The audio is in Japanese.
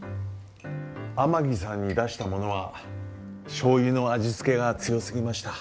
天城さんに出したものはしょうゆの味付けが強すぎました。